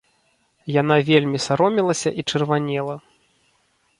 Яна вельмі саромелася і чырванела.